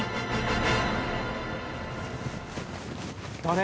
「誰？」